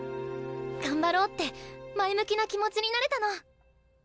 頑張ろうって前向きな気持ちになれたの。